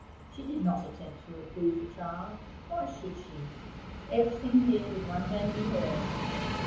She did not attempt to reprove the child. Why should she? Everything here would one day be hers.